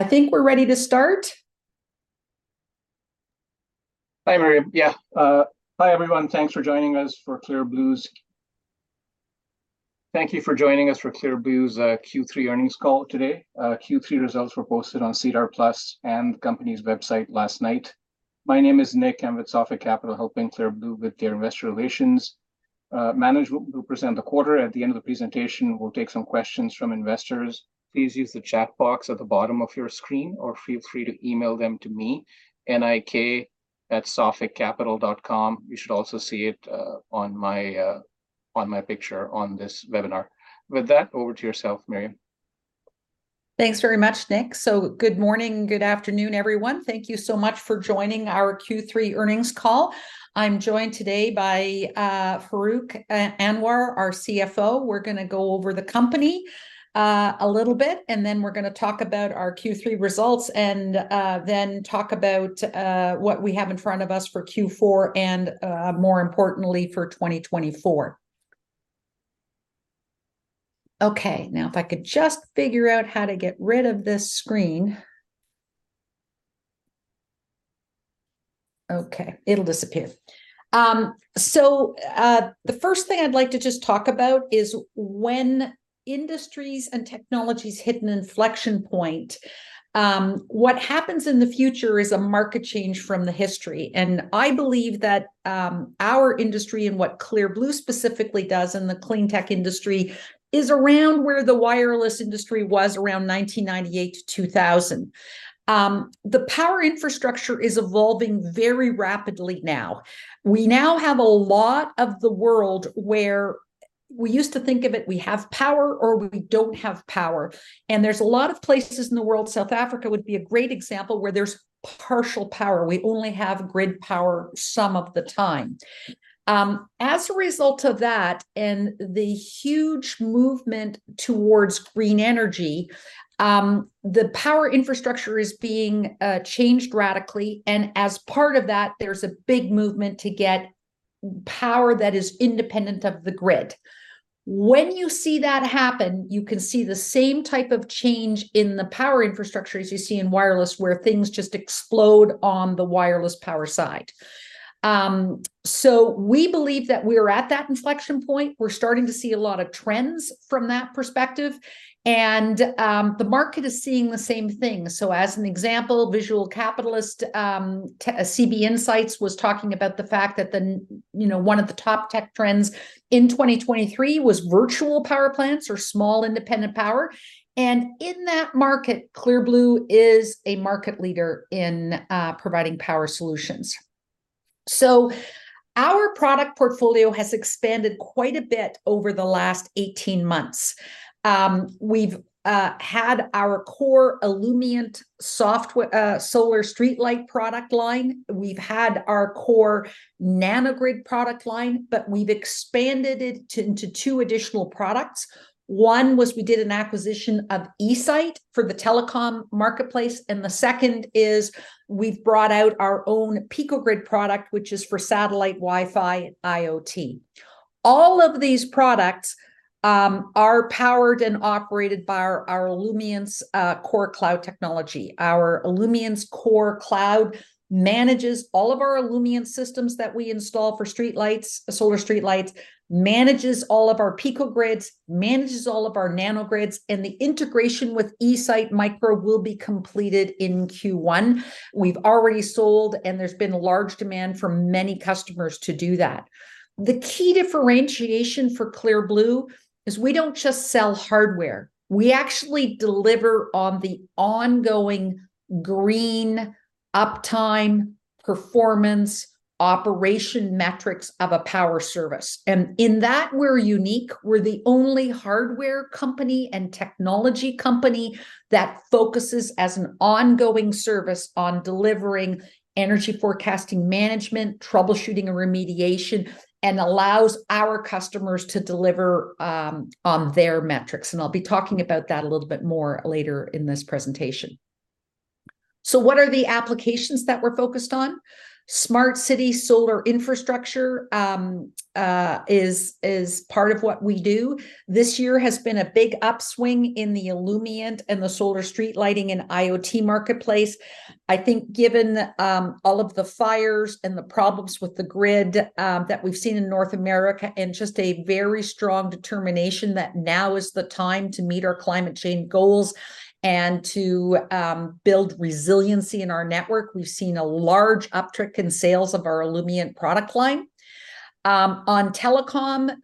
I think we're ready to start? Hi, Miriam. Yeah, hi, everyone. Thank you for joining us for Clear Blue's Q3 Earnings Call today. Q3 results were posted on SEDAR+ and the company's website last night. My name is Nik. I'm with Sophic Capital, helping Clear Blue with their Investor Relations. Management will present the quarter. At the end of the presentation, we'll take some questions from investors. Please use the chat box at the bottom of your screen, or feel free to email them to me, nik@sophiccapital.com. You should also see it on my picture on this webinar. With that, over to yourself, Miriam. Thanks very much, Nik. So good morning, good afternoon, everyone. Thank you so much for joining our Q3 earnings call. I'm joined today by Farrukh Anwar, our CFO. We're gonna go over the company a little bit, and then we're gonna talk about our Q3 results, and then talk about what we have in front of us for Q4, and more importantly, for 2024. Okay, now, if I could just figure out how to get rid of this screen. Okay, it'll disappear. So the first thing I'd like to just talk about is when industries and technologies hit an inflection point, what happens in the future is a market change from the history. And I believe that our industry and what Clear Blue specifically does in the clean tech industry is around where the wireless industry was around 1998 to 2000. The power infrastructure is evolving very rapidly now. We now have a lot of the world where we used to think of it, we have power or we don't have power, and there's a lot of places in the world, South Africa would be a great example, where there's partial power. We only have grid power some of the time. As a result of that, and the huge movement towards green energy, the power infrastructure is being changed radically, and as part of that, there's a big movement to get power that is independent of the grid. When you see that happen, you can see the same type of change in the power infrastructure as you see in wireless, where things just explode on the wireless power side. So we believe that we're at that inflection point. We're starting to see a lot of trends from that perspective, and the market is seeing the same thing. So as an example, Visual Capitalist, CB Insights was talking about the fact that you know, one of the top tech trends in 2023 was virtual power plants or small independent power, and in that market, Clear Blue is a market leader in providing power solutions. So our product portfolio has expanded quite a bit over the last 18 months. We've had our core Illumient solar streetlight product line, we've had our core Nano-Grid product line, but we've expanded it into two additional products. One was we did an acquisition of eSite for the telecom marketplace, and the second is we've brought out our own Pico-Grid product, which is for satellite, Wi-Fi, IoT. All of these products are powered and operated by our Illumience core cloud technology. Our Illumience core cloud manages all of our Illumient systems that we install for streetlights, solar streetlights, manages all of our Pico-Grids, manages all of our Nano-Grids, and the integration with eSite-Micro will be completed in Q1. We've already sold, and there's been large demand from many customers to do that. The key differentiation for Clear Blue is we don't just sell hardware. We actually deliver on the ongoing green uptime, performance, operation metrics of a power service, and in that, we're unique. We're the only hardware company and technology company that focuses as an ongoing service on delivering energy forecasting management, troubleshooting and remediation, and allows our customers to deliver on their metrics, and I'll be talking about that a little bit more later in this presentation. So what are the applications that we're focused on? Smart city solar infrastructure is part of what we do. This year has been a big upswing in the Illumient and the solar street lighting and IoT marketplace. I think given all of the fires and the problems with the grid that we've seen in North America, and just a very strong determination that now is the time to meet our climate change goals and to build resiliency in our network, we've seen a large uptick in sales of our Illumient product line. On telecom,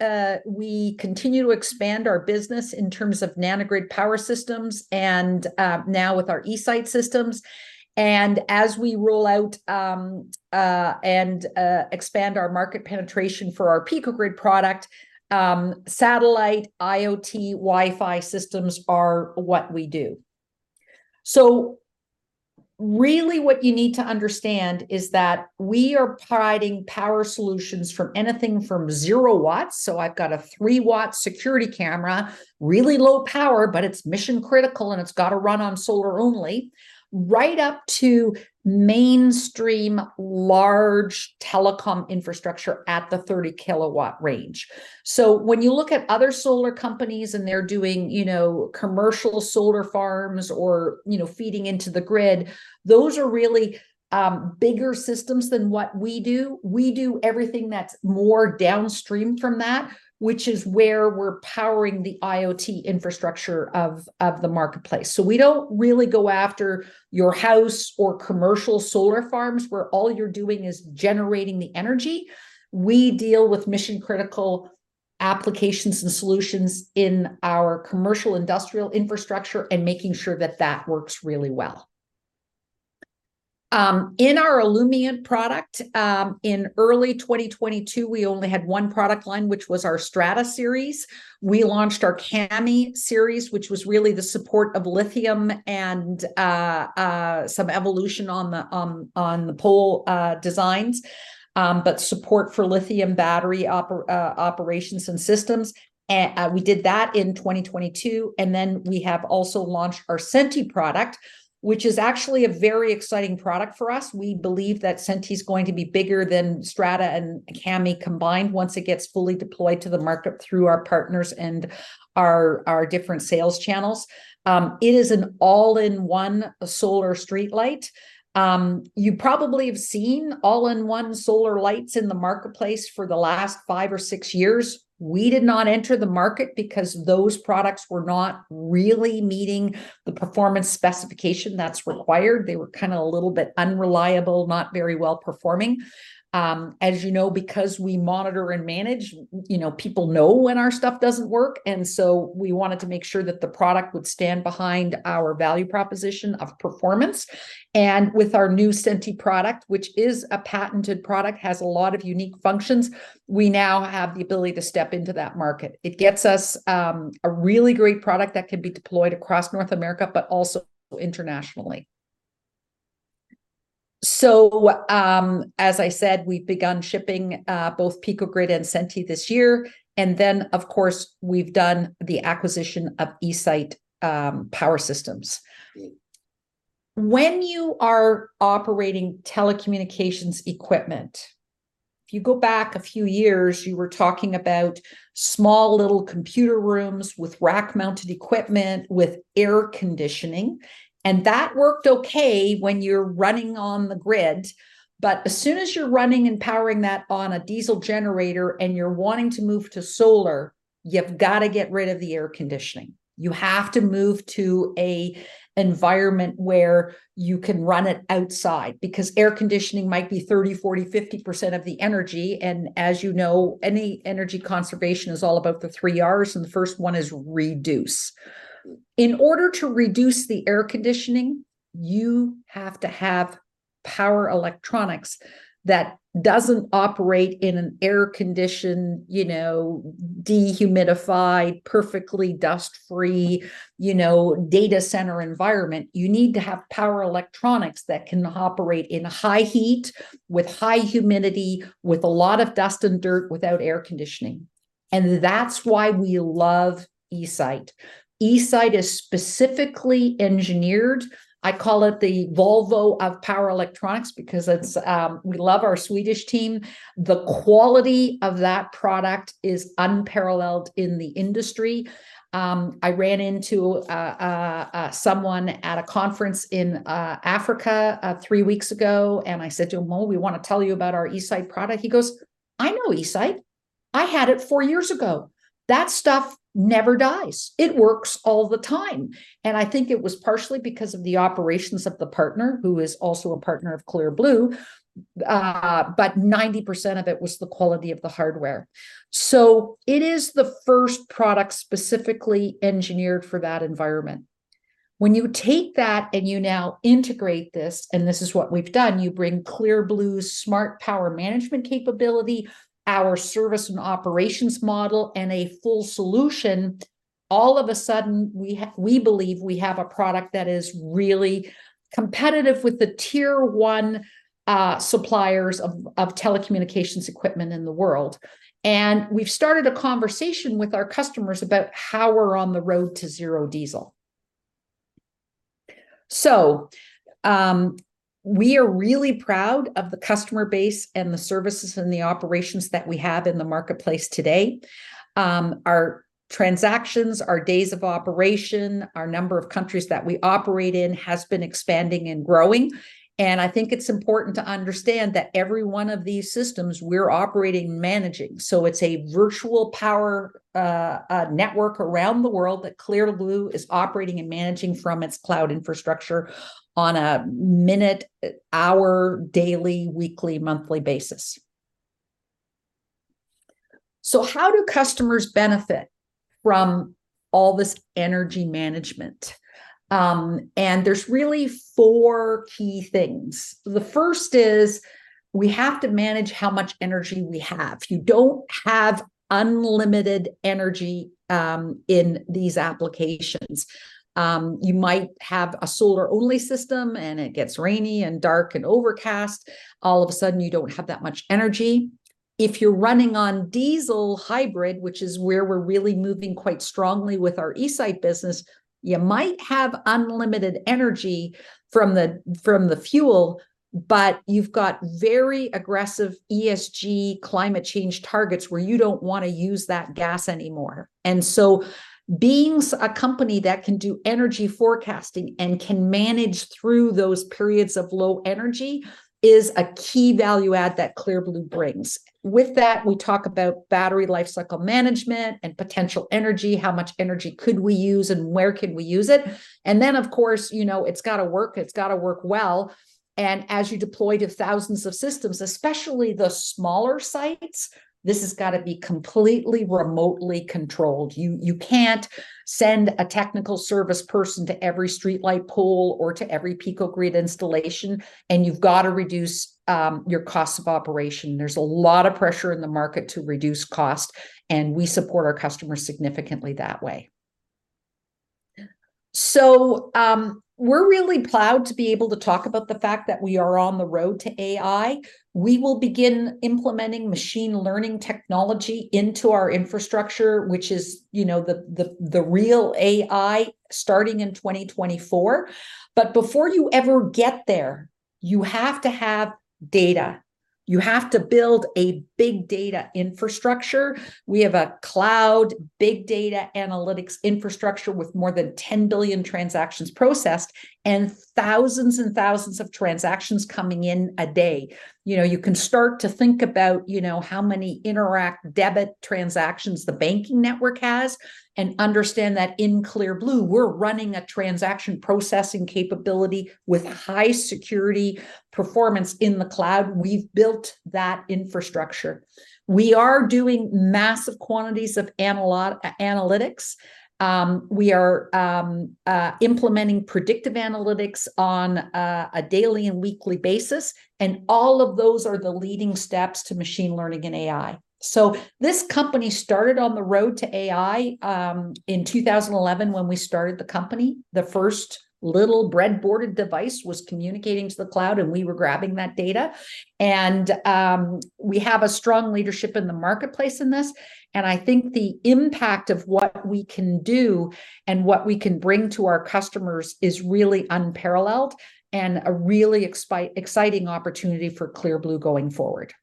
we continue to expand our business in terms of Nano-Grid power systems and now with our eSite systems. And as we roll out and expand our market penetration for our Pico-Grid product, satellite, IoT, Wi-Fi systems are what we do. So, really what you need to understand is that we are providing power solutions from anything from 0-W, so I've got a 3-W security camera, really low power, but it's mission critical, and it's gotta run on solar only, right up to mainstream, large telecom infrastructure at the 30-kW range. So when you look at other solar companies, and they're doing, you know, commercial solar farms or, you know, feeding into the grid, those are really bigger systems than what we do. We do everything that's more downstream from that, which is where we're powering the IoT infrastructure of the marketplace. So we don't really go after your house or commercial solar farms, where all you're doing is generating the energy. We deal with mission-critical applications and solutions in our commercial industrial infrastructure and making sure that that works really well. In our Illumient product, in early 2022, we only had one product line, which was our Strata Series. We launched our Cammi Series, which was really the support of lithium and some evolution on the pole designs, but support for lithium battery operations and systems. We did that in 2022, and then we have also launched our Senti product, which is actually a very exciting product for us. We believe that Senti is going to be bigger than Strata and Cammi combined once it gets fully deployed to the market through our partners and our different sales channels. It is an all-in-one solar streetlight. You probably have seen all-in-one solar lights in the marketplace for the last five or six years. We did not enter the market because those products were not really meeting the performance specification that's required. They were kinda a little bit unreliable, not very well-performing. As you know, because we monitor and manage, you know, people know when our stuff doesn't work, and so we wanted to make sure that the product would stand behind our value proposition of performance. And with our new Senti product, which is a patented product, has a lot of unique functions, we now have the ability to step into that market. It gets us, a really great product that can be deployed across North America, but also internationally. So, as I said, we've begun shipping, both Pico-Grid and Senti this year, and then, of course, we've done the acquisition of eSite Power Systems. When you are operating telecommunications equipment, if you go back a few years, you were talking about small, little computer rooms with rack-mounted equipment, with air conditioning, and that worked okay when you're running on the grid. But as soon as you're running and powering that on a diesel generator and you're wanting to move to solar, you've gotta get rid of the air conditioning. You have to move to an environment where you can run it outside because air conditioning might be 30%, 40%, 50% of the energy, and as you know, any energy conservation is all about the 3R's, and the first one is reduce. In order to reduce the air conditioning, you have to have power electronics that doesn't operate in an air condition, you know, dehumidified, perfectly dust-free, you know, data center environment. You need to have power electronics that can operate in high heat, with high humidity, with a lot of dust and dirt, without air conditioning, and that's why we love eSite. eSite is specifically engineered. I call it the Volvo of power electronics because it's. We love our Swedish team. The quality of that product is unparalleled in the industry. I ran into someone at a conference in Africa three weeks ago, and I said to him: "Well, we wanna tell you about our eSite product." He goes, "I know eSite. I had it four years ago. That stuff never dies. It works all the time." And I think it was partially because of the operations of the partner, who is also a partner of Clear Blue, but 90% of it was the quality of the hardware. So it is the first product specifically engineered for that environment. When you take that and you now integrate this, and this is what we've done, you bring Clear Blue's smart power management capability, our service and operations model, and a full solution, all of a sudden, we believe we have a product that is really competitive with the tier one suppliers of telecommunications equipment in the world. And we've started a conversation with our customers about how we're on the road to zero diesel. So, we are really proud of the customer base and the services and the operations that we have in the marketplace today. Our transactions, our days of operation, our number of countries that we operate in has been expanding and growing, and I think it's important to understand that every one of these systems, we're operating and managing. So it's a virtual power network around the world that Clear Blue is operating and managing from its cloud infrastructure on a minute, hour, daily, weekly, monthly basis. So how do customers benefit from all this energy management? There's really four key things. The first is we have to manage how much energy we have. You don't have unlimited energy in these applications. You might have a solar-only system, and it gets rainy and dark and overcast. All of a sudden, you don't have that much energy.... If you're running on diesel hybrid, which is where we're really moving quite strongly with our eSite business, you might have unlimited energy from the fuel, but you've got very aggressive ESG climate change targets where you don't wanna use that gas anymore. And so being a company that can do energy forecasting and can manage through those periods of low energy is a key value add that Clear Blue brings. With that, we talk about battery life cycle management and potential energy, how much energy could we use, and where could we use it? And then, of course, you know, it's gotta work, it's gotta work well, and as you deploy to thousands of systems, especially the smaller sites, this has gotta be completely remotely controlled. You can't send a technical service person to every streetlight pole or to every Pico-Grid installation, and you've gotta reduce your cost of operation. There's a lot of pressure in the market to reduce cost, and we support our customers significantly that way. So, we're really proud to be able to talk about the fact that we are on the road to AI. We will begin implementing machine learning technology into our infrastructure, which is, you know, the real AI, starting in 2024. But before you ever get there, you have to have data. You have to build a big data infrastructure. We have a cloud, big data analytics infrastructure with more than 10 billion transactions processed and thousands and thousands of transactions coming in a day. You know, you can start to think about, you know, how many Interac debit transactions the banking network has, and understand that in Clear Blue, we're running a transaction processing capability with high security performance in the cloud. We've built that infrastructure. We are doing massive quantities of analytics. We are implementing predictive analytics on a daily and weekly basis, and all of those are the leading steps to machine learning and AI. So this company started on the road to AI in 2011 when we started the company. The first little breadboarded device was communicating to the cloud, and we were grabbing that data. We have a strong leadership in the marketplace in this, and I think the impact of what we can do and what we can bring to our customers is really unparalleled and a really exciting opportunity for Clear Blue going forward.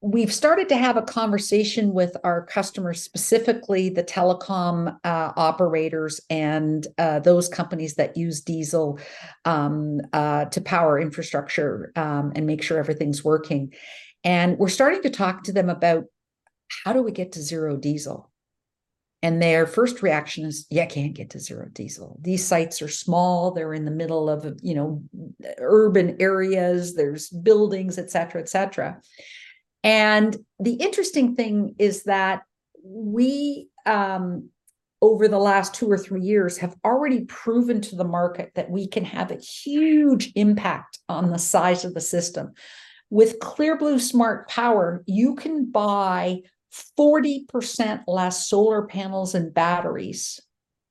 We've started to have a conversation with our customers, specifically the telecom operators and those companies that use diesel to power infrastructure and make sure everything's working. We're starting to talk to them about: How do we get to zero diesel? Their first reaction is, "You can't get to zero diesel. These sites are small. They're in the middle of, you know, urban areas, there's buildings, et cetera, et cetera." And the interesting thing is that we, over the last two or three years, have already proven to the market that we can have a huge impact on the size of the system. With Clear Blue Smart Power, you can buy 40% less solar panels and batteries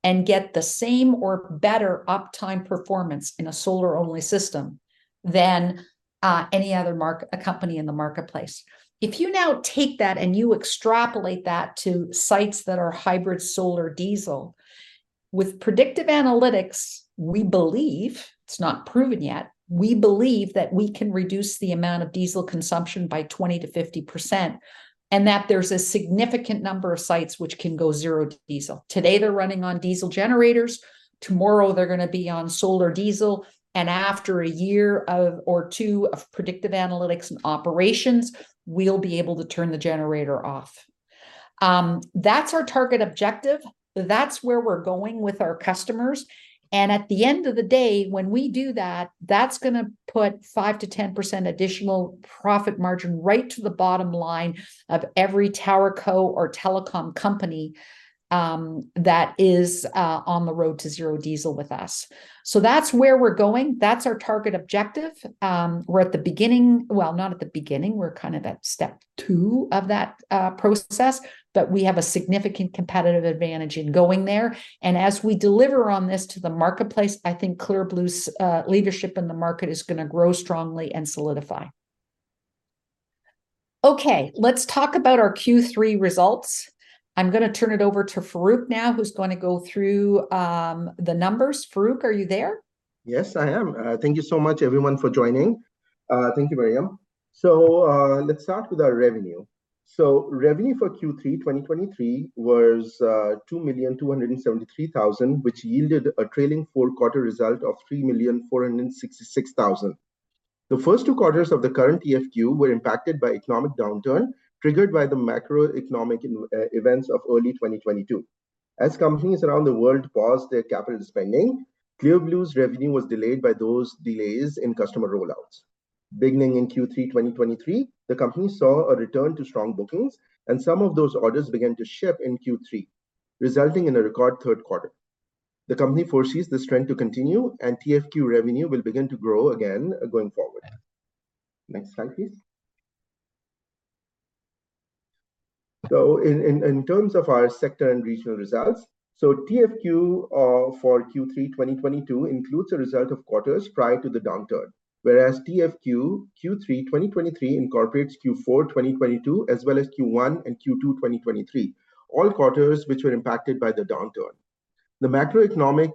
and get the same or better uptime performance in a solar-only system than any other company in the marketplace. If you now take that and you extrapolate that to sites that are hybrid solar diesel, with predictive analytics, we believe, it's not proven yet, we believe that we can reduce the amount of diesel consumption by 20%-50%, and that there's a significant number of sites which can go zero diesel. Today, they're running on diesel generators. Tomorrow, they're gonna be on solar diesel, and after a year of, or two of predictive analytics and operations, we'll be able to turn the generator off. That's our target objective. That's where we're going with our customers, and at the end of the day, when we do that, that's gonna put 5%-10% additional profit margin right to the bottom line of every tower co or telecom company, that is, on the road to zero diesel with us. So that's where we're going. That's our target objective. We're at the beginning... Well, not at the beginning. We're kind of at step two of that process, but we have a significant competitive advantage in going there, and as we deliver on this to the marketplace, I think Clear Blue's leadership in the market is gonna grow strongly and solidify. Okay, let's talk about our Q3 results. I'm gonna turn it over to Farrukh now, who's gonna go through the numbers. Farrukh, are you there? Yes, I am. Thank you so much, everyone, for joining. Thank you, Miriam. So, let's start with our revenue. So revenue for Q3 2023 was 2.273 million, which yielded a trailing full quarter result of 3.466 million. The first two quarters of the current TFQ were impacted by economic downturn, triggered by the macroeconomic events of early 2022. As companies around the world paused their capital spending, Clear Blue's revenue was delayed by those delays in customer rollouts. Beginning in Q3 2023, the company saw a return to strong bookings, and some of those orders began to ship in Q3, resulting in a record third quarter. The company foresees this trend to continue, and TFQ revenue will begin to grow again going forward. Next slide, please. So in terms of our sector and regional results, so TFQ for Q3 2022 includes a result of quarters prior to the downturn, whereas TFQ Q3 2023 incorporates Q4 2022, as well as Q1 and Q2 2023, all quarters which were impacted by the downturn. The macroeconomic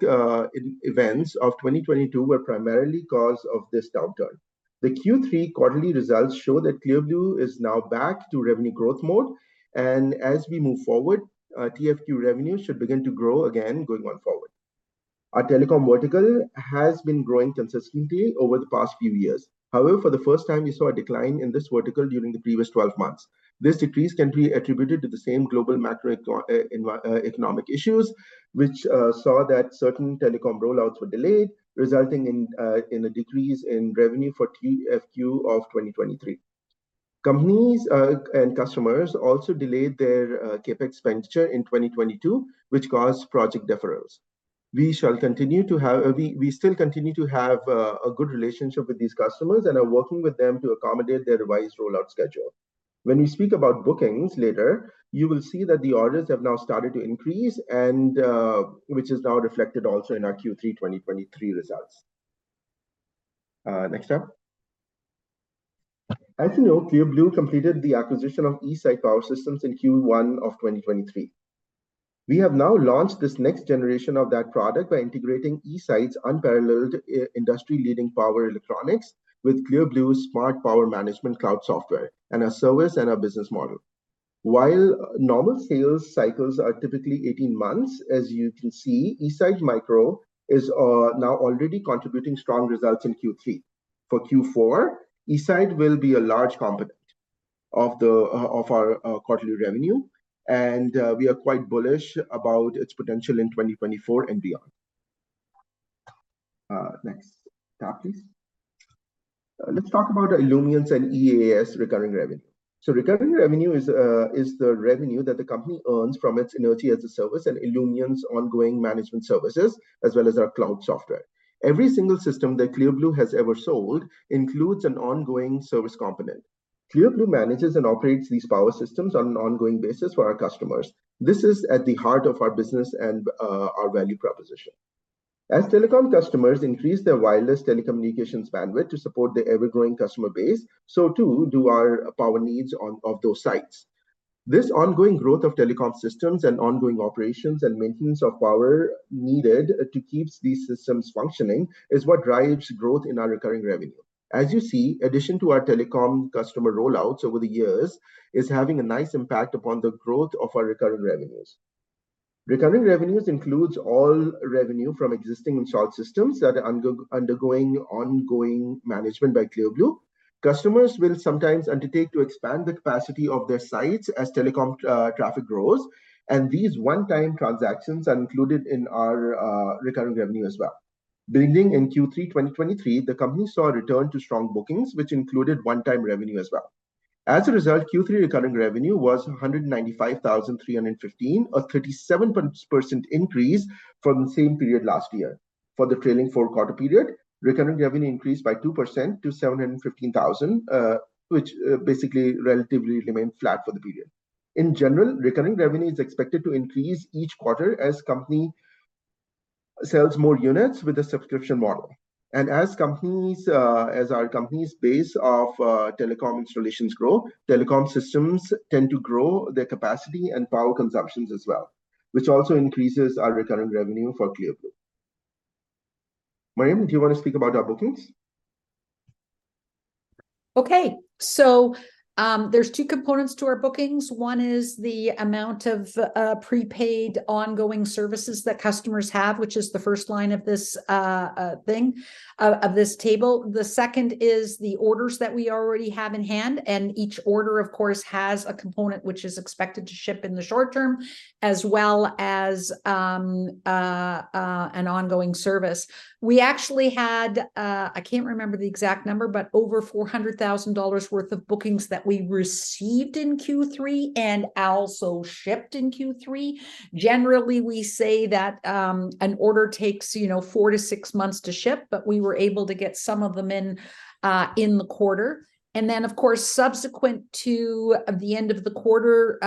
events of 2022 were primarily cause of this downturn. The Q3 quarterly results show that Clear Blue is now back to revenue growth mode, and as we move forward, TFQ revenue should begin to grow again going forward. Our telecom vertical has been growing consistently over the past few years. However, for the first time, we saw a decline in this vertical during the previous 12 months. This decrease can be attributed to the same global macroeconomic issues, which saw that certain telecom rollouts were delayed, resulting in a decrease in revenue for TFQ of 2023. Companies and customers also delayed their CapEx expenditure in 2022, which caused project deferrals. We shall continue to have... We still continue to have a good relationship with these customers and are working with them to accommodate their revised rollout schedule. When we speak about bookings later, you will see that the orders have now started to increase and which is now reflected also in our Q3 2023 results. Next slide. As you know, Clear Blue completed the acquisition of eSite Power Systems in Q1 of 2023. We have now launched this next generation of that product by integrating eSite's unparalleled industry-leading power electronics with Clear Blue's smart power management cloud software, and our service and our business model. While normal sales cycles are typically 18 months, as you can see, eSite-Micro is now already contributing strong results in Q3. For Q4, eSite will be a large component of our quarterly revenue, and we are quite bullish about its potential in 2024 and beyond. Next slide, please. Let's talk about Illumience's and EaaS recurring revenue. So recurring revenue is the revenue that the company earns from its energy as a service and Illumience's ongoing management services, as well as our cloud software. Every single system that Clear Blue has ever sold includes an ongoing service component. Blue manages and operates these power systems on an ongoing basis for our customers. This is at the heart of our business and our value proposition. As telecom customers increase their wireless telecommunications bandwidth to support their ever-growing customer base, so too do our power needs of those sites. This ongoing growth of telecom systems and ongoing operations and maintenance of power needed to keep these systems functioning is what drives growth in our recurring revenue. As you see, addition to our telecom customer rollouts over the years is having a nice impact upon the growth of our recurring revenues. Recurring revenues includes all revenue from existing installed systems that are undergoing ongoing management by Clear Blue. Customers will sometimes undertake to expand the capacity of their sites as telecom traffic grows, and these one-time transactions are included in our recurring revenue as well. Building in Q3 2023, the company saw a return to strong bookings, which included one-time revenue as well. As a result, Q3 recurring revenue was 195,315, a 37% increase from the same period last year. For the trailing four-quarter period, recurring revenue increased by 2% to 715,000, which basically relatively remained flat for the period. In general, recurring revenue is expected to increase each quarter as company sells more units with a subscription model. As our company's base of telecom installations grow, telecom systems tend to grow their capacity and power consumptions as well, which also increases our recurring revenue for Clear Blue. Miriam, do you want to speak about our bookings? Okay. So, there's two components to our bookings. One is the amount of prepaid ongoing services that customers have, which is the first line of this thing of this table. The second is the orders that we already have in hand, and each order, of course, has a component which is expected to ship in the short term, as well as an ongoing service. We actually had I can't remember the exact number, but over 400,000 dollars worth of bookings that we received in Q3 and also shipped in Q3. Generally, we say that an order takes, you know, four to six months to ship, but we were able to get some of them in the quarter. And then, of course, subsequent to the end of the quarter,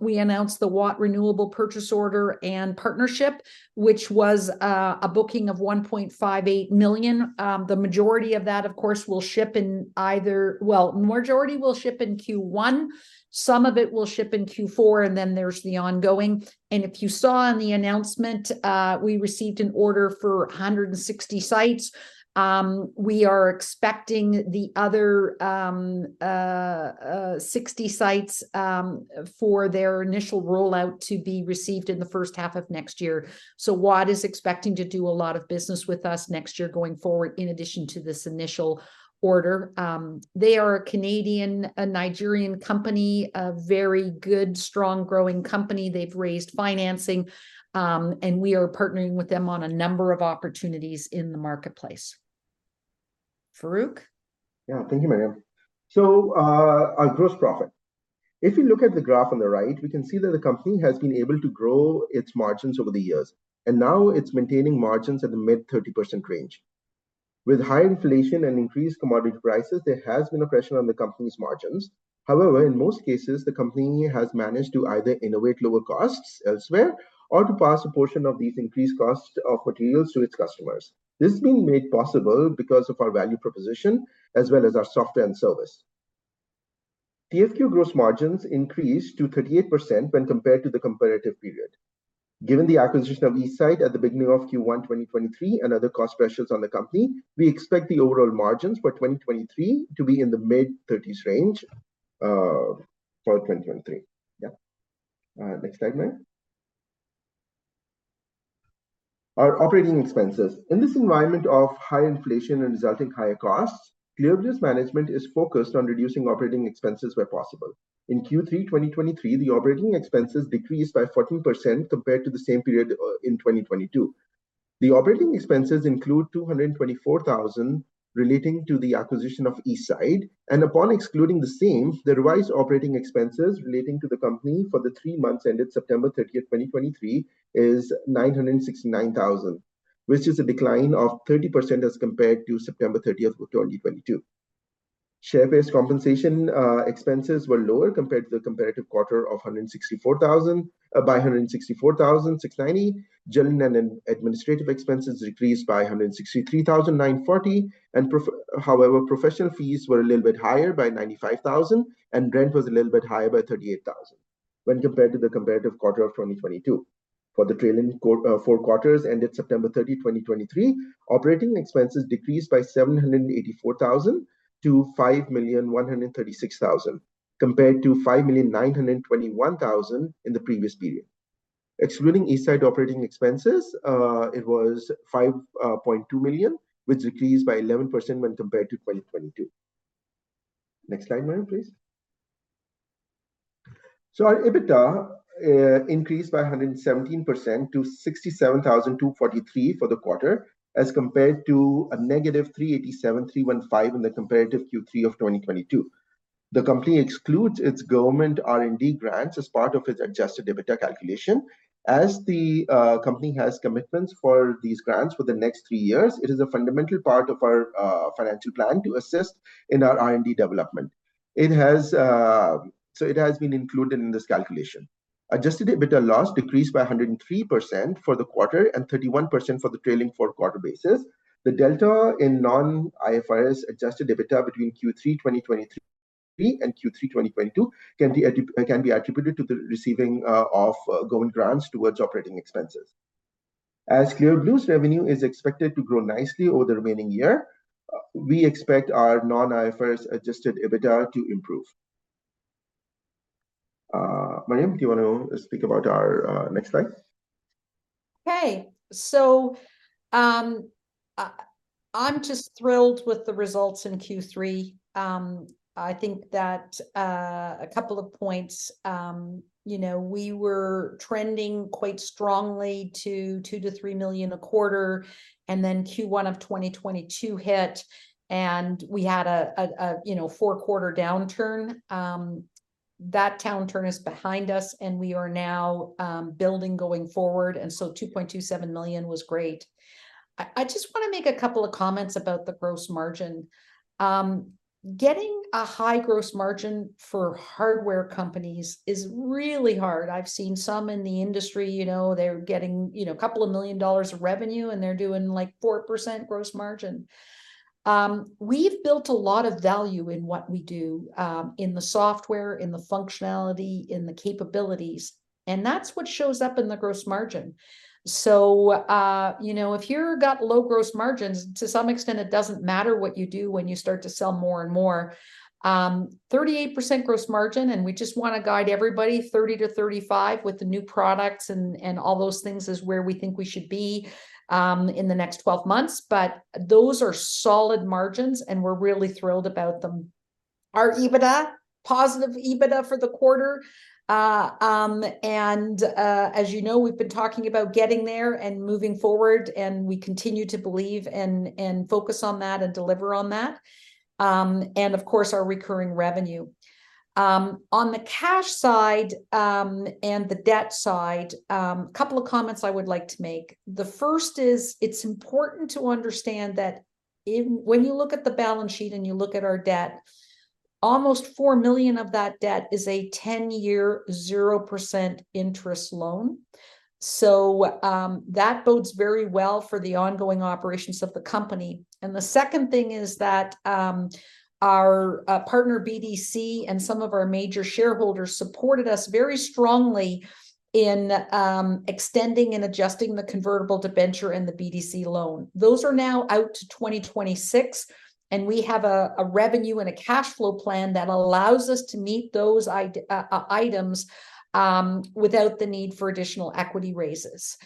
we announced the WATT Renewable purchase order and partnership, which was a booking of 1.58 million. The majority of that, of course, will ship in Q1, some of it will ship in Q4, and then there's the ongoing. And if you saw in the announcement, we received an order for 160 sites. We are expecting the other 60 sites for their initial rollout to be received in the first half of next year. So WATT is expecting to do a lot of business with us next year going forward, in addition to this initial order. They are a Canadian, a Nigerian company, a very good, strong, growing company. They've raised financing, and we are partnering with them on a number of opportunities in the marketplace. Farrukh? Yeah. Thank you, Miriam. So, our gross profit. If you look at the graph on the right, we can see that the company has been able to grow its margins over the years, and now it's maintaining margins at the mid-30% range... With high inflation and increased commodity prices, there has been a pressure on the company's margins. However, in most cases, the company has managed to either innovate lower costs elsewhere or to pass a portion of these increased costs of materials to its customers. This has been made possible because of our value proposition, as well as our software and service. TFQ gross margins increased to 38% when compared to the competitive period. Given the acquisition of eSite at the beginning of Q1 2023 and other cost pressures on the company, we expect the overall margins for 2023 to be in the mid-thirties range for 2023. Next slide, Miriam. Our operating expenses. In this environment of high inflation and resulting higher costs, Clear Blue's management is focused on reducing operating expenses where possible. In Q3 2023, the operating expenses decreased by 14% compared to the same period in 2022. The operating expenses include 224,000 relating to the acquisition of eSite, and upon excluding the same, the revised operating expenses relating to the company for the three months ended September 30, 2023, is 969,000, which is a decline of 30% as compared to September 30 of 2022. Share-based compensation expenses were lower compared to the comparative quarter of 164,000 by 164,690. General and administrative expenses decreased by 163,940, and, however, professional fees were a little bit higher by 95,000, and rent was a little bit higher by 38,000 when compared to the comparative quarter of 2022. For the trailing four quarters ended September 30, 2023, operating expenses decreased by 784,000 to 5,136,000, compared to 5,921,000 in the previous period. Excluding eSite operating expenses, it was 5.2 million, which decreased by 11% when compared to 2022. Next slide, Miriam, please. So our EBITDA increased by 117% to 67,243 for the quarter, as compared to a negative 387,315 in the comparative Q3 of 2022. The company excludes its government R&D grants as part of its adjusted EBITDA calculation. As the company has commitments for these grants for the next three years, it is a fundamental part of our financial plan to assist in our R&D development. So it has been included in this calculation. Adjusted EBITDA loss decreased by 103% for the quarter and 31% for the trailing four quarters basis. The delta in non-IFRS adjusted EBITDA between Q3 2023 and Q3 2022 can be attributed to the receiving of government grants towards operating expenses. As Clear Blue's revenue is expected to grow nicely over the remaining year, we expect our non-IFRS adjusted EBITDA to improve. Miriam, do you wanna speak about our next slide? Okay. So, I'm just thrilled with the results in Q3. I think that a couple of points, you know, we were trending quite strongly to 2-3 million a quarter, and then Q1 of 2022 hit, and we had a you know, four-quarter downturn. That downturn is behind us, and we are now building going forward, and so 2.27 million was great. I just wanna make a couple of comments about the gross margin. Getting a high gross margin for hardware companies is really hard. I've seen some in the industry, you know, they're getting, you know, a couple of million dollars of revenue, and they're doing, like, 4% gross margin. We've built a lot of value in what we do, in the software, in the functionality, in the capabilities, and that's what shows up in the gross margin. So, you know, if you're got low gross margins, to some extent, it doesn't matter what you do when you start to sell more and more. 38% gross margin, and we just wanna guide everybody 30%-35% with the new products and, and all those things, is where we think we should be, in the next 12 months. But those are solid margins, and we're really thrilled about them. Our EBITDA, positive EBITDA for the quarter. As you know, we've been talking about getting there and moving forward, and we continue to believe and, and focus on that and deliver on that, and of course, our recurring revenue. On the cash side, and the debt side, a couple of comments I would like to make. The first is, it's important to understand that even when you look at the balance sheet and you look at our debt, almost 4 million of that debt is a 10-year, 0% interest loan. So, that bodes very well for the ongoing operations of the company. And the second thing is that, our partner, BDC, and some of our major shareholders supported us very strongly in extending and adjusting the convertible debenture and the BDC loan. Those are now out to 2026, and we have a revenue and a cash flow plan that allows us to meet those items without the need for additional equity raises.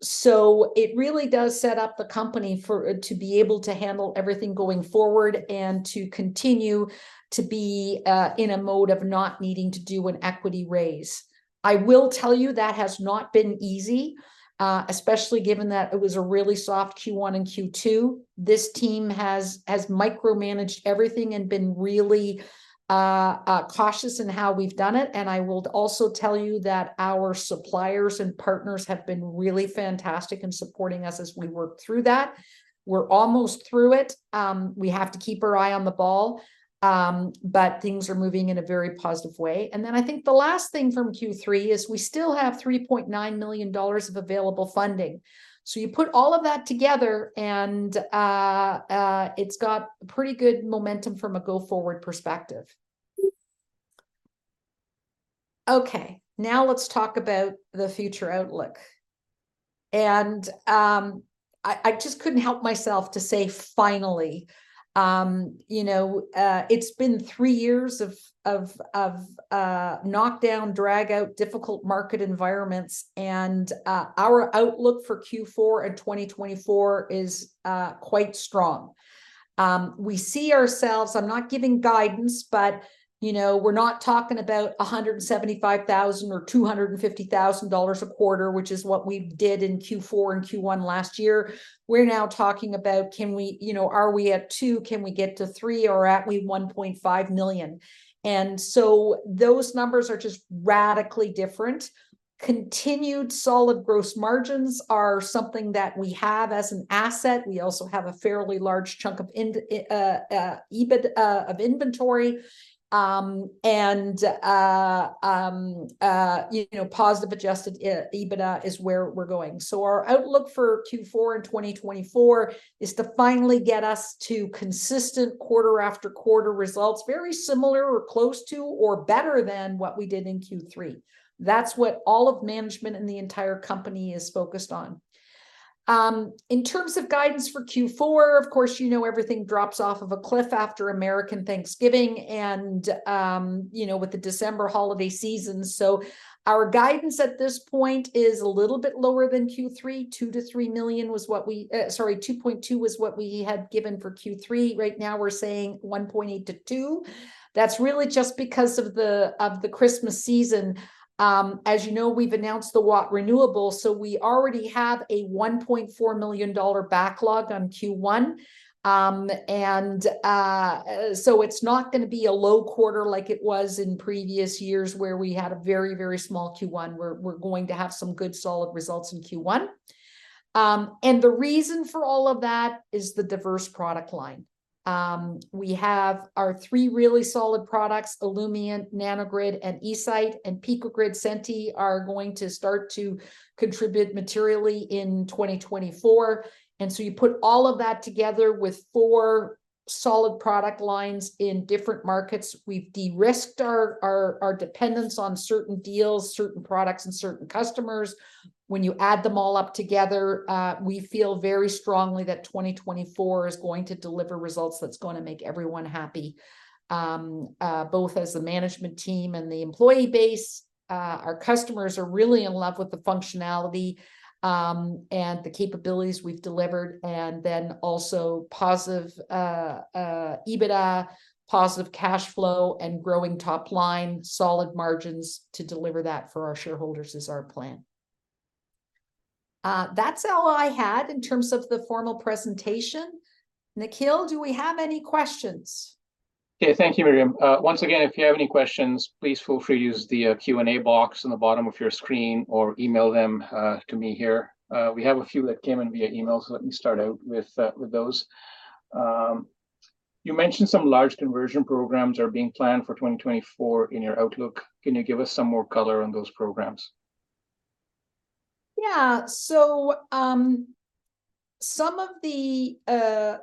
So it really does set up the company for to be able to handle everything going forward and to continue to be in a mode of not needing to do an equity raise. I will tell you that has not been easy, especially given that it was a really soft Q1 and Q2. This team has micromanaged everything and been really cautious in how we've done it, and I will also tell you that our suppliers and partners have been really fantastic in supporting us as we work through that. We're almost through it. We have to keep our eye on the ball, but things are moving in a very positive way. And then I think the last thing from Q3 is we still have 3.9 million dollars of available funding. So you put all of that together, and it's got pretty good momentum from a go-forward perspective. Okay, now let's talk about the future outlook. I just couldn't help myself to say, "Finally!" You know, it's been three years of knock-down, drag-out, difficult market environments, and our outlook for Q4 in 2024 is quite strong. We see ourselves. I'm not giving guidance, but, you know, we're not talking about 175,000 or 250,000 dollars a quarter, which is what we did in Q4 and Q1 last year. We're now talking about can we—you know, are we at two? Can we get to three, or are we at 1.5 million? And so those numbers are just radically different. Continued solid gross margins are something that we have as an asset. We also have a fairly large chunk of EBIT of inventory. And, you know, positive adjusted EBITDA is where we're going. So our outlook for Q4 in 2024 is to finally get us to consistent quarter after quarter results, very similar or close to or better than what we did in Q3. That's what all of management in the entire company is focused on. In terms of guidance for Q4, of course, you know, everything drops off of a cliff after American Thanksgiving and, you know, with the December holiday season. So our guidance at this point is a little bit lower than Q3. 2-3 million was what we... sorry, 2.2 million was what we had given for Q3. Right now, we're saying 1.8-2 million. That's really just because of the, of the Christmas season. As you know, we've announced the WATT Renewable, so we already have a 1.4 million dollar backlog on Q1. So it's not gonna be a low quarter like it was in previous years, where we had a very, very small Q1. We're going to have some good, solid results in Q1. The reason for all of that is the diverse product line. We have our three really solid products, Illumient, Nano-Grid, and eSite, and Pico-Grid, Senti are going to start to contribute materially in 2024. And so you put all of that together with four solid product lines in different markets. We've de-risked our dependence on certain deals, certain products, and certain customers. When you add them all up together, we feel very strongly that 2024 is going to deliver results that's gonna make everyone happy, both as a management team and the employee base. Our customers are really in love with the functionality, and the capabilities we've delivered, and then also positive EBITDA, positive cash flow, and growing top line, solid margins, to deliver that for our shareholders is our plan. That's all I had in terms of the formal presentation. Nikhil, do we have any questions? Okay, thank you, Miriam. Once again, if you have any questions, please feel free to use the Q&A box on the bottom of your screen or email them to me here. We have a few that came in via email, so let me start out with those. You mentioned some large conversion programs are being planned for 2024 in your outlook. Can you give us some more color on those programs? Yeah. So, some of the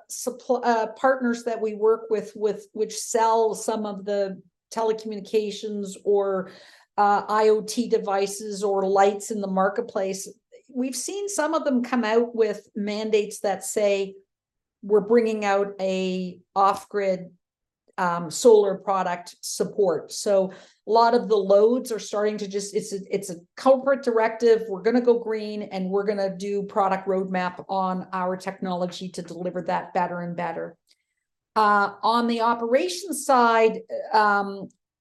suppliers that we work with, which sell some of the telecommunications or IoT devices or lights in the marketplace, we've seen some of them come out with mandates that say, "We're bringing out a off-grid solar product support." So lot of the loads are starting to just... It's a corporate directive. We're gonna go green, and we're gonna do product roadmap on our technology to deliver that better and better. On the operations side,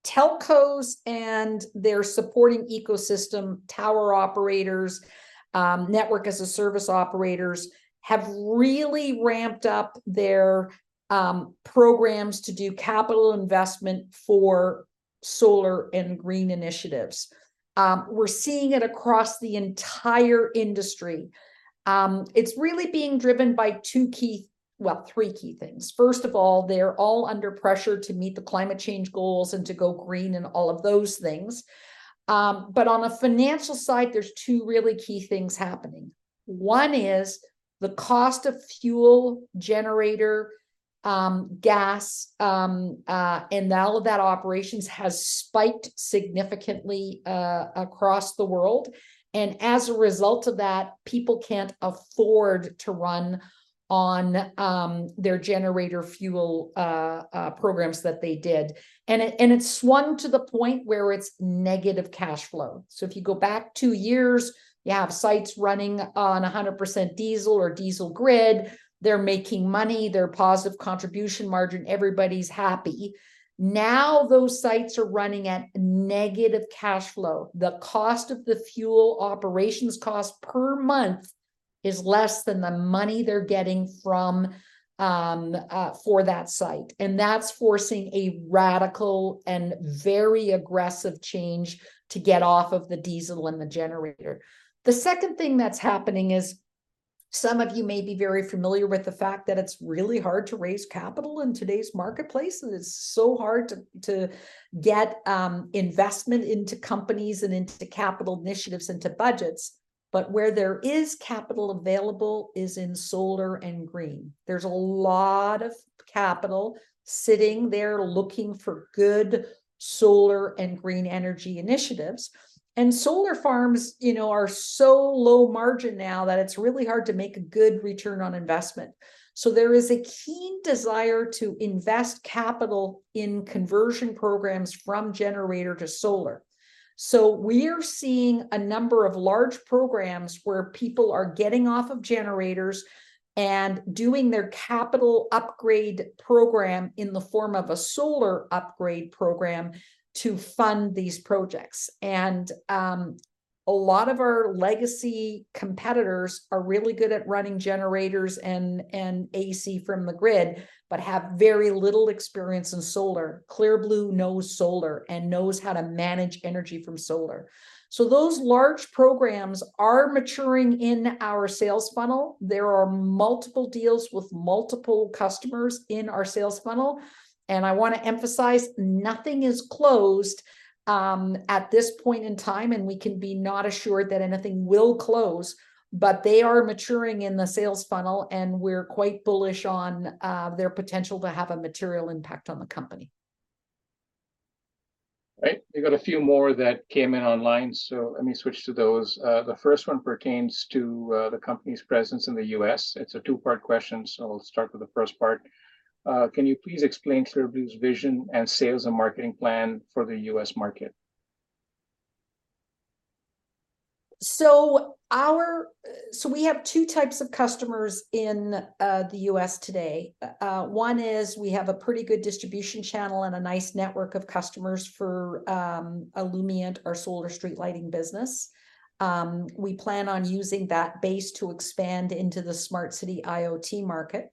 telcos and their supporting ecosystem tower operators, network as a service operators, have really ramped up their programs to do capital investment for solar and green initiatives. We're seeing it across the entire industry. It's really being driven by two key... well, three key things. First of all, they're all under pressure to meet the climate change goals and to go green and all of those things. But on the financial side, there's two really key things happening. One is the cost of fuel generator, gas, and all of that operations has spiked significantly, across the world, and as a result of that, people can't afford to run on, their generator fuel programs that they did. And it's swung to the point where it's negative cash flow. So if you go back two years, you have sites running on 100% diesel or diesel grid. They're making money. They're positive contribution margin. Everybody's happy. Now, those sites are running at negative cash flow. The cost of the fuel operations cost per month is less than the money they're getting from for that site, and that's forcing a radical and very aggressive change to get off of the diesel and the generator. The second thing that's happening is, some of you may be very familiar with the fact that it's really hard to raise capital in today's marketplace, and it's so hard to get investment into companies and into capital initiatives, into budgets, but where there is capital available is in solar and green. There's a lot of capital sitting there looking for good solar and green energy initiatives, and solar farms, you know, are so low margin now that it's really hard to make a good return on investment. So there is a keen desire to invest capital in conversion programs from generator to solar. So we're seeing a number of large programs where people are getting off of generators and doing their capital upgrade program in the form of a solar upgrade program to fund these projects. A lot of our legacy competitors are really good at running generators and, and AC from the grid, but have very little experience in solar. Clear Blue knows solar and knows how to manage energy from solar. So those large programs are maturing in our sales funnel. There are multiple deals with multiple customers in our sales funnel, and I wanna emphasize nothing is closed, at this point in time, and we can be not assured that anything will close, but they are maturing in the sales funnel, and we're quite bullish on, their potential to have a material impact on the company. Right. We've got a few more that came in online, so let me switch to those. The first one pertains to the company's presence in the U.S. It's a two-part question, so I'll start with the first part. Can you please explain Clear Blue's vision and sales and marketing plan for the U.S. market? So we have two types of customers in the U.S. today. One is we have a pretty good distribution channel and a nice network of customers for Illumient, our solar street lighting business. We plan on using that base to expand into the smart city IoT market.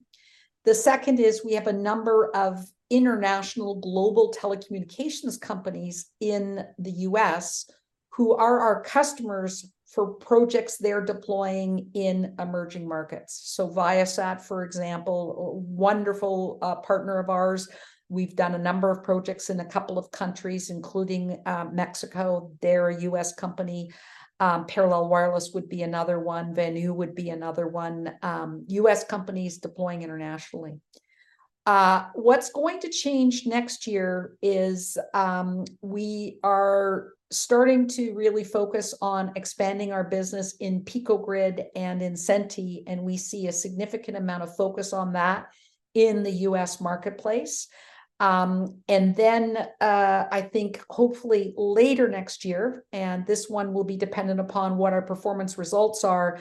The second is we have a number of international global telecommunications companies in the U.S., who are our customers for projects they're deploying in emerging markets. So Viasat, for example, a wonderful partner of ours, we've done a number of projects in a couple of countries, including Mexico. They're a U.S. company. Parallel Wireless would be another one, Vanu would be another one, U.S. companies deploying internationally. What's going to change next year is, we are starting to really focus on expanding our business in Pico-Grid and in Senti, and we see a significant amount of focus on that in the U.S. marketplace. And then, I think hopefully later next year, and this one will be dependent upon what our performance results are,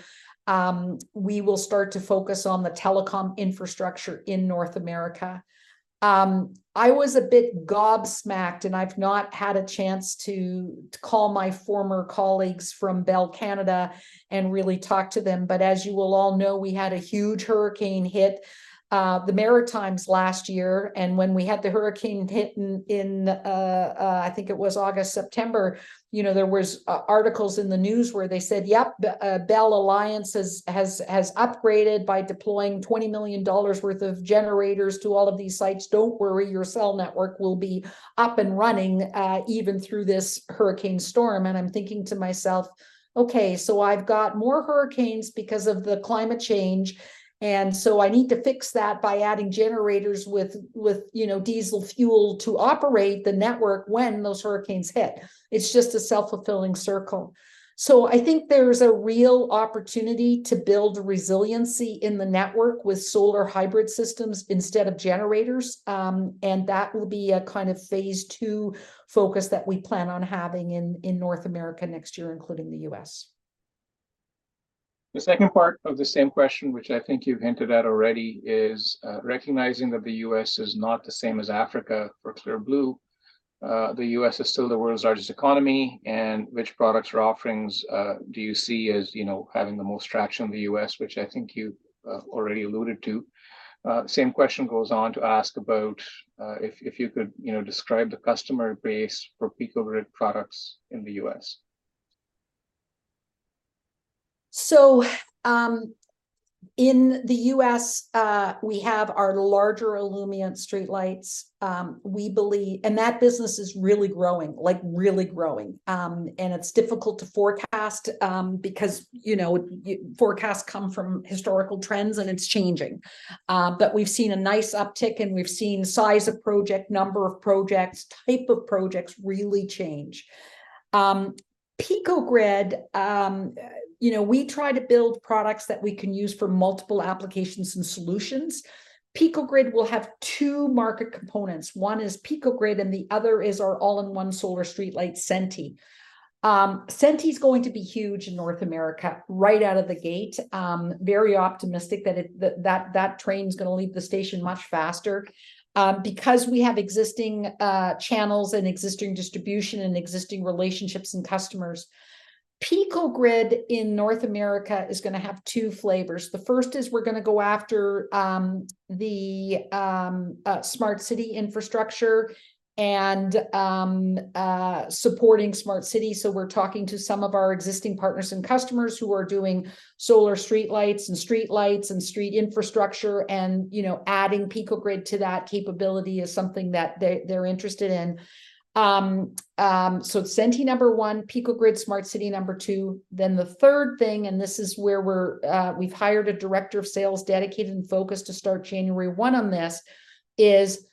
we will start to focus on the telecom infrastructure in North America. I was a bit gobsmacked, and I've not had a chance to call my former colleagues from Bell Canada and really talk to them, but as you will all know, we had a huge hurricane hit the Maritimes last year, and when we had the hurricane hit in I think it was August, September, you know, there was articles in the news where they said, "Yep, Bell Alliance has upgraded by deploying 20 million dollars worth of generators to all of these sites. Don't worry, your cell network will be up and running, even through this hurricane storm." And I'm thinking to myself, "Okay, so I've got more hurricanes because of the climate change, and so I need to fix that by adding generators with, you know, diesel fuel to operate the network when those hurricanes hit." It's just a self-fulfilling circle. So I think there's a real opportunity to build resiliency in the network with solar hybrid systems instead of generators, and that will be a kind of phase two focus that we plan on having in North America next year, including the U.S. The second part of the same question, which I think you've hinted at already, is recognizing that the U.S. is not the same as Africa for Clear Blue. The U.S. is still the world's largest economy, and which products or offerings do you see as, you know, having the most traction in the U.S.? Which I think you already alluded to. Same question goes on to ask about if you could, you know, describe the customer base for Pico-Grid products in the U.S. So, in the U.S., we have our larger Illumient streetlights. We believe... And that business is really growing, like really growing. And it's difficult to forecast, because, you know, forecasts come from historical trends, and it's changing. But we've seen a nice uptick, and we've seen size of project, number of projects, type of projects really change. Pico-Grid, you know, we try to build products that we can use for multiple applications and solutions. Pico-Grid will have two market components. One is Pico-Grid, and the other is our all-in-one solar streetlight, Senti. Senti's going to be huge in North America right out of the gate. Very optimistic that it, that, that, that train's gonna leave the station much faster, because we have existing, channels, and existing distribution, and existing relationships, and customers. Pico-Grid in North America is gonna have two flavors. The first is we're gonna go after the smart city infrastructure and supporting smart city. So we're talking to some of our existing partners and customers who are doing solar streetlights, and streetlights, and street infrastructure, and, you know, adding Pico-Grid to that capability is something that they, they're interested in. So Senti, number one, Pico-Grid Smart City, number two. Then the third thing, and this is where we've hired a director of sales, dedicated and focused to start January 1 on this, is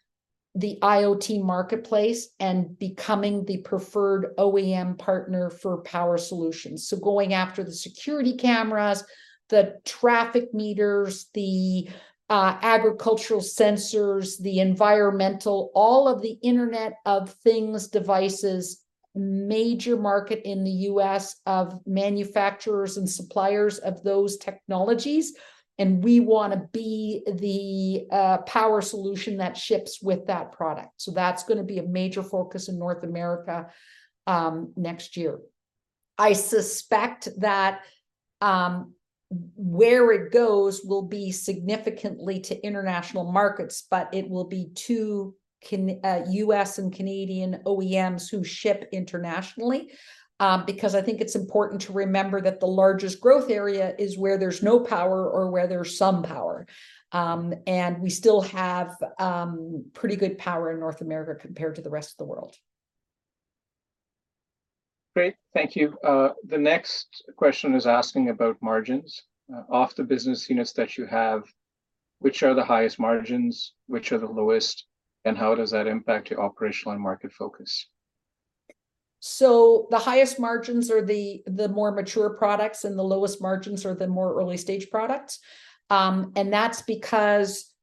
the IoT marketplace and becoming the preferred OEM partner for power solutions. So going after the security cameras, the traffic meters, the agricultural sensors, the environmental, all of the Internet of Things devices, major market in the U.S. of manufacturers and suppliers of those technologies, and we wanna be the power solution that ships with that product. So that's gonna be a major focus in North America next year. I suspect that where it goes will be significantly to international markets, but it will be to U.S. and Canadian OEMs who ship internationally. Because I think it's important to remember that the largest growth area is where there's no power or where there's some power. And we still have pretty good power in North America compared to the rest of the world. Great, thank you. The next question is asking about margins. Of the business units that you have, which are the highest margins, which are the lowest, and how does that impact your operational and market focus? So the highest margins are the more mature products, and the lowest margins are the more early-stage products. And that's because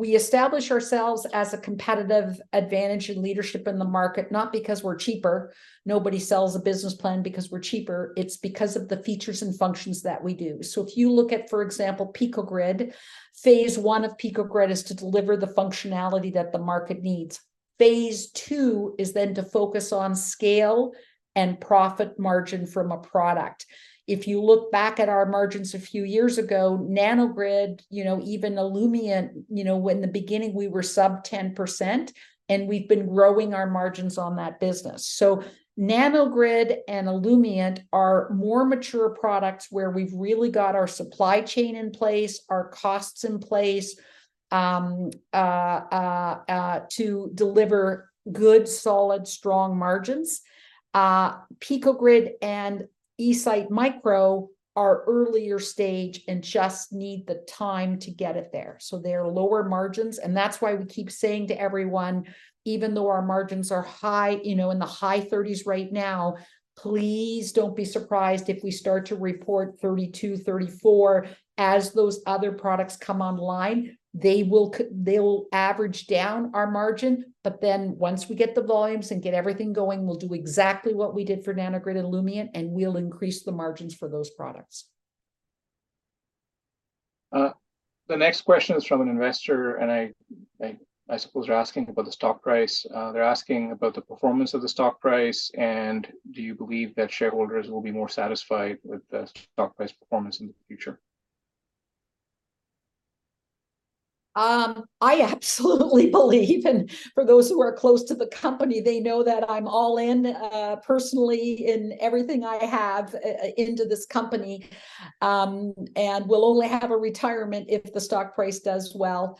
we establish ourselves as a competitive advantage in leadership in the market, not because we're cheaper. Nobody sells a business plan because we're cheaper. It's because of the features and functions that we do. So if you look at, for example, Pico-Grid, phase one of Pico-Grid is to deliver the functionality that the market needs. Phase two is then to focus on scale and profit margin from a product. If you look back at our margins a few years ago, Nano-Grid, you know, even Illumient, you know, in the beginning we were sub 10%, and we've been growing our margins on that business. So Nano-Grid and Illumient are more mature products where we've really got our supply chain in place, our costs in place, to deliver good, solid, strong margins. Pico-Grid and eSite-Micro are earlier stage and just need the time to get it there, so they are lower margins. And that's why we keep saying to everyone, even though our margins are high, you know, in the high 30s right now, please don't be surprised if we start to report 32, 34. As those other products come online, they will average down our margin, but then once we get the volumes and get everything going, we'll do exactly what we did for Nano-Grid and Illumient, and we'll increase the margins for those products. The next question is from an investor, and I suppose they're asking about the stock price. They're asking about the performance of the stock price, and do you believe that shareholders will be more satisfied with the stock price performance in the future? I absolutely believe, and for those who are close to the company, they know that I'm all in, personally, in everything I have, into this company. And will only have a retirement if the stock price does well.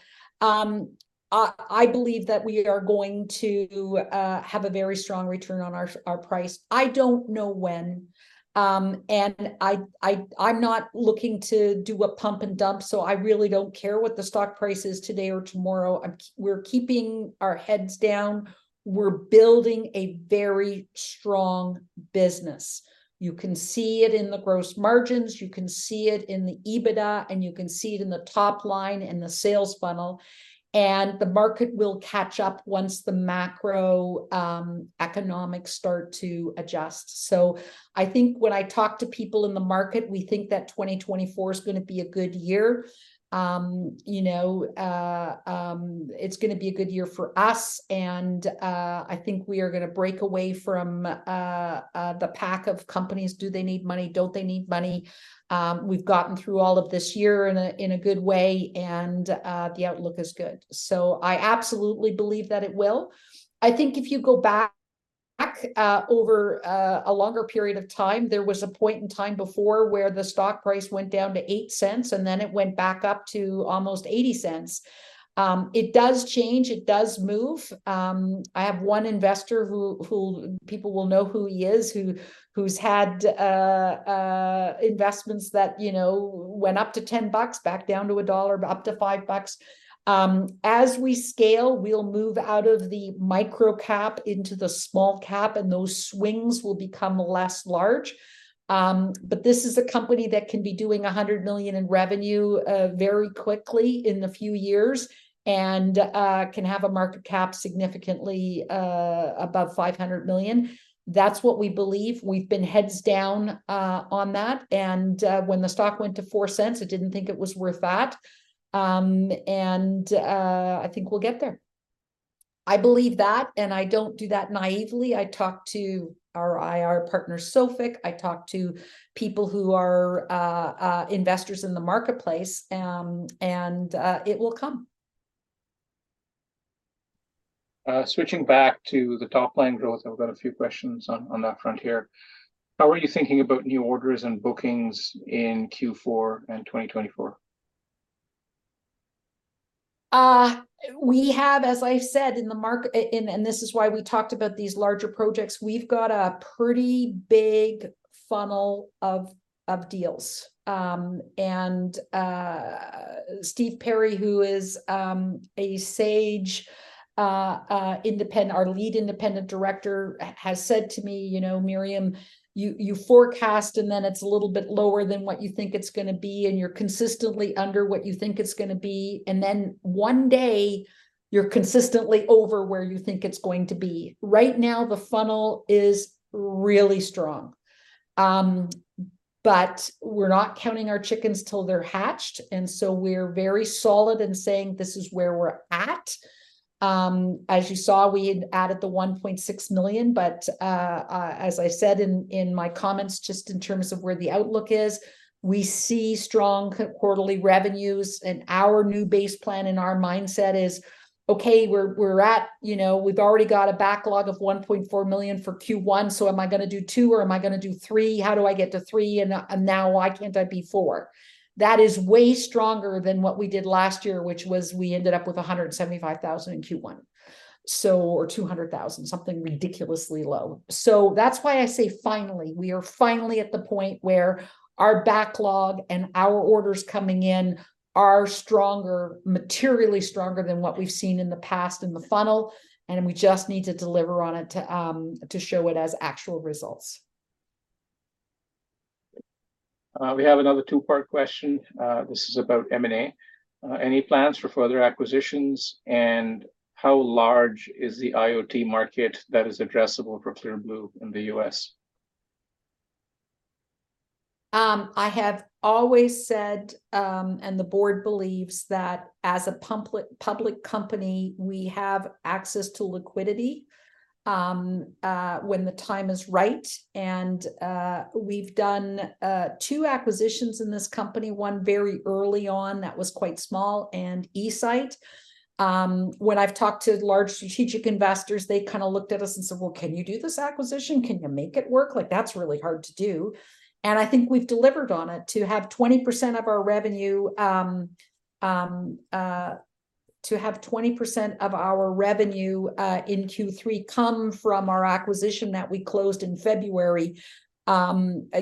I, I believe that we are going to, have a very strong return on our price. I don't know when, and I, I, I'm not looking to do a pump and dump, so I really don't care what the stock price is today or tomorrow. We're keeping our heads down. We're building a very strong business. You can see it in the gross margins, you can see it in the EBITDA, and you can see it in the top line in the sales funnel. And the market will catch up once the macro, economics start to adjust. So I think when I talk to people in the market, we think that 2024 is gonna be a good year. You know, it's gonna be a good year for us, and, I think we are gonna break away from, the pack of companies. Do they need money? Don't they need money? We've gotten through all of this year in a good way, and, the outlook is good. So I absolutely believe that it will. I think if you go back, over a longer period of time, there was a point in time before where the stock price went down to 0.08, and then it went back up to almost 0.80. It does change, it does move. I have one investor who... People will know who he is, who, who's had investments that, you know, went up to 10 bucks, back down to CAD 1, up to 5 bucks. As we scale, we'll move out of the micro cap into the small cap, and those swings will become less large. But this is a company that can be doing 100 million in revenue very quickly in a few years, and can have a market cap significantly above 500 million. That's what we believe. We've been heads down on that, and when the stock went to 0.04, it didn't think it was worth that. And I think we'll get there. I believe that, and I don't do that naively. I talk to our IR partner, Sophic. I talk to people who are investors in the marketplace. It will come. Switching back to the top line growth, I've got a few questions on that front here. How are you thinking about new orders and bookings in Q4 and 2024? We have, as I've said, in the market and, and this is why we talked about these larger projects, we've got a pretty big funnel of deals. Steve Parry, who is our lead independent director, has said to me, "You know, Miriam, you forecast, and then it's a little bit lower than what you think it's gonna be, and you're consistently under what you think it's gonna be. And then one day, you're consistently over where you think it's going to be." Right now, the funnel is really strong. But we're not counting our chickens till they're hatched, and so we're very solid in saying this is where we're at. As you saw, we had added the 1.6 million, but, as I said in, in my comments, just in terms of where the outlook is, we see strong quarterly revenues, and our new base plan and our mindset is, "Okay, we're, we're at, you know, we've already got a backlog of 1.4 million for Q1, so am I gonna do two or am I gonna do three? How do I get to three, and, and now why can't I be four?" That is way stronger than what we did last year, which was we ended up with 175,000 in Q1, so... Or 200,000, something ridiculously low. So that's why I say finally. We are finally at the point where our backlog and our orders coming in are stronger, materially stronger than what we've seen in the past in the funnel, and we just need to deliver on it to, to show it as actual results. We have another two-part question. This is about M&A. Any plans for further acquisitions, and how large is the IoT market that is addressable for Clear Blue in the U.S.? I have always said, and the board believes, that as a public company, we have access to liquidity, when the time is right. And, we've done two acquisitions in this company, one very early on, that was quite small, and eSite. When I've talked to large strategic investors, they kinda looked at us and said, "Well, can you do this acquisition? Can you make it work? Like, that's really hard to do." And I think we've delivered on it. To have 20% of our revenue, to have 20% of our revenue, in Q3 come from our acquisition that we closed in February,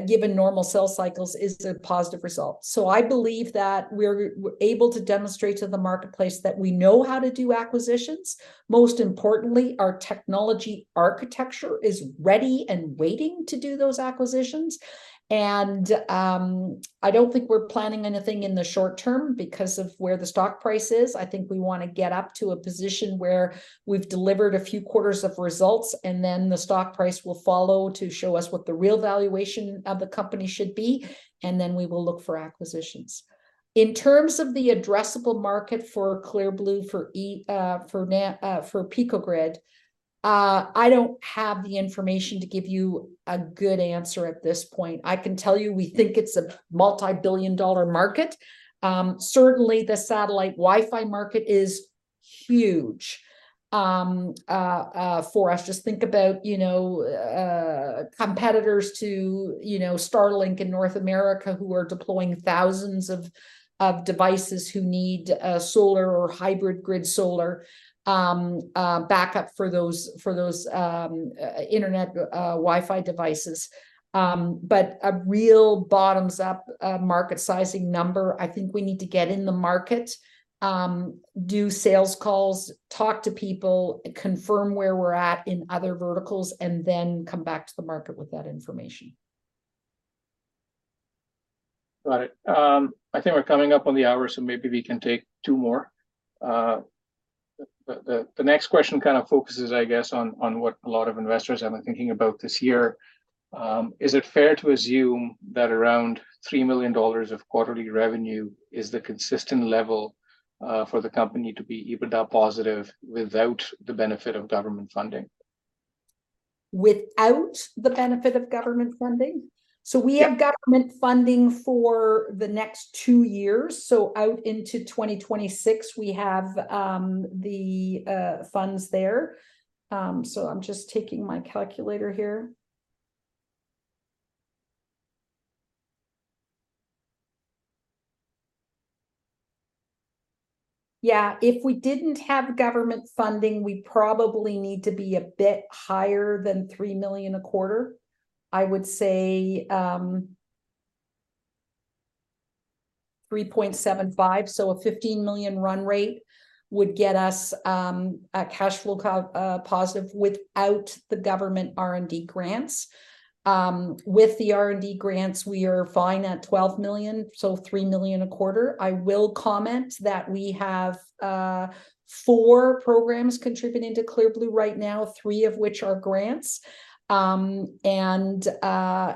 given normal sales cycles, is a positive result. So I believe that we're able to demonstrate to the marketplace that we know how to do acquisitions. Most importantly, our technology architecture is ready and waiting to do those acquisitions. I don't think we're planning anything in the short term because of where the stock price is. I think we wanna get up to a position where we've delivered a few quarters of results, and then the stock price will follow to show us what the real valuation of the company should be, and then we will look for acquisitions. In terms of the addressable market for Clear Blue, for Pico-Grid, I don't have the information to give you a good answer at this point. I can tell you, we think it's a multi-billion-dollar market. Certainly the satellite Wi-Fi market is huge for us. Just think about, you know, competitors to, you know, Starlink in North America, who are deploying thousands of devices who need solar or hybrid grid solar backup for those internet Wi-Fi devices. But a real bottoms-up market sizing number, I think we need to get in the market, do sales calls, talk to people, confirm where we're at in other verticals, and then come back to the market with that information. Got it. I think we're coming up on the hour, so maybe we can take two more. The next question kind of focuses, I guess, on what a lot of investors have been thinking about this year. Is it fair to assume that around 3 million dollars of quarterly revenue is the consistent level for the company to be EBITDA-positive without the benefit of government funding? Without the benefit of government funding? Yeah. So we have government funding for the next two years, so out into 2026, we have the funds there. So I'm just taking my calculator here. Yeah, if we didn't have government funding, we'd probably need to be a bit higher than 3 million a quarter. I would say 3.75, so a 15 million run rate would get us a cash flow positive without the government R&D grants. With the R&D grants, we are fine at 12 million, so 3 million a quarter. I will comment that we have 4 programs contributing to Clear Blue right now, three of which are grants. And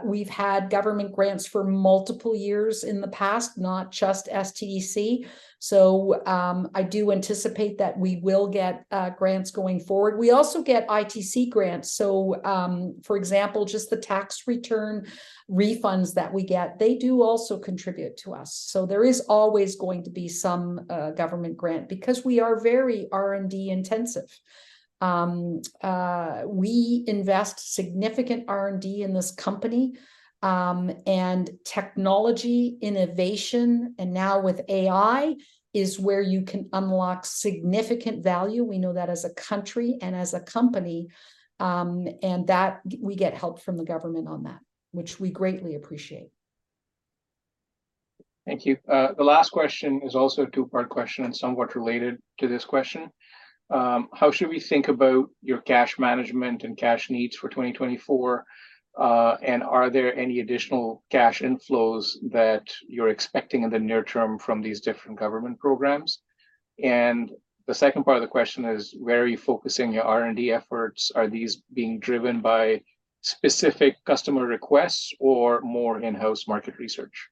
we've had government grants for multiple years in the past, not just SDTC, so I do anticipate that we will get grants going forward. We also get ITC grants, so, for example, just the tax return refunds that we get, they do also contribute to us. So there is always going to be some government grant because we are very R&D-intensive. We invest significant R&D in this company, and technology, innovation, and now with AI, is where you can unlock significant value. We know that as a country and as a company, and that, we get help from the government on that, which we greatly appreciate. Thank you. The last question is also a two-part question, and somewhat related to this question. How should we think about your cash management and cash needs for 2024? And are there any additional cash inflows that you're expecting in the near term from these different government programs? And the second part of the question is, where are you focusing your R&D efforts? Are these being driven by specific customer requests or more in-house market research?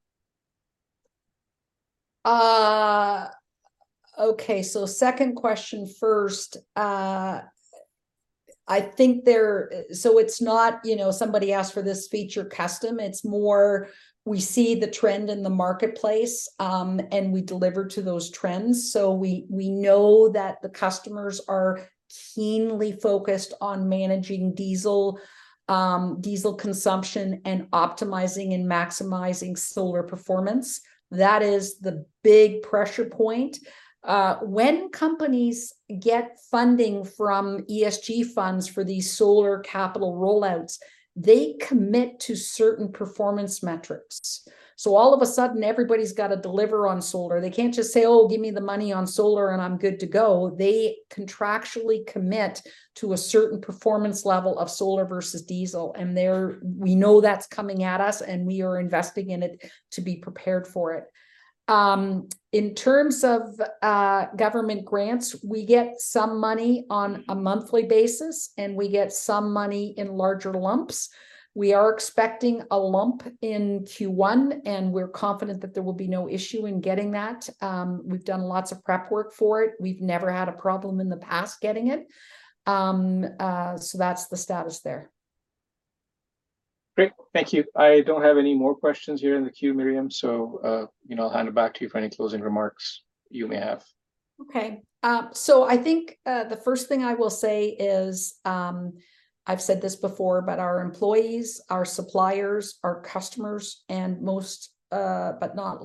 Okay, so second question first. I think so it's not, you know, somebody asked for this feature custom, it's more, we see the trend in the marketplace, and we deliver to those trends. So we, we know that the customers are keenly focused on managing diesel, diesel consumption, and optimizing and maximizing solar performance. That is the big pressure point. When companies get funding from ESG funds for these solar capital rollouts, they commit to certain performance metrics. So all of a sudden, everybody's gotta deliver on solar. They can't just say, "Oh, give me the money on solar and I'm good to go." They contractually commit to a certain performance level of solar versus diesel, and they're... We know that's coming at us, and we are investing in it to be prepared for it. In terms of government grants, we get some money on a monthly basis, and we get some money in larger lumps. We are expecting a lump in Q1, and we're confident that there will be no issue in getting that. We've done lots of prep work for it. We've never had a problem in the past getting it. So that's the status there. Great, thank you. I don't have any more questions here in the queue, Miriam, so, you know, I'll hand it back to you for any closing remarks you may have. Okay. So I think, the first thing I will say is, I've said this before, but our employees, our suppliers, our customers, and most, but not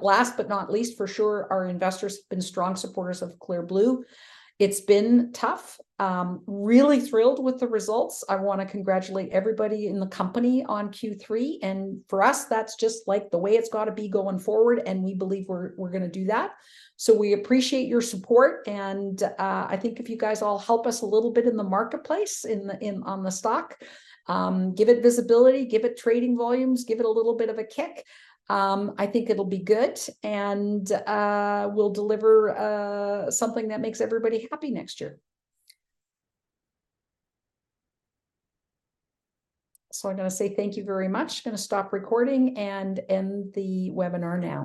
last but not least, for sure, our investors have been strong supporters of Clear Blue. It's been tough. Really thrilled with the results. I wanna congratulate everybody in the company on Q3, and for us, that's just, like, the way it's gotta be going forward, and we believe we're, we're gonna do that. So we appreciate your support, and, I think if you guys all help us a little bit in the marketplace, in the, in, on the stock, give it visibility, give it trading volumes, give it a little bit of a kick, I think it'll be good, and, we'll deliver, something that makes everybody happy next year. I'm gonna say thank you very much. Gonna stop recording and end the webinar now.